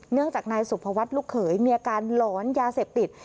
เนื่องจากนายสุภวัฒน์ลูกเขยมีอาการหลอนยาเสพติด